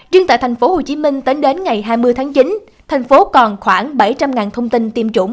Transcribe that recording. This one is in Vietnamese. riêng tại tp hcm tính đến ngày hai mươi tháng chín thành phố còn khoảng bảy trăm linh thông tin tiêm chủng